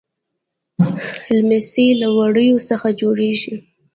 ليمڅی له وړيو څخه جوړيږي.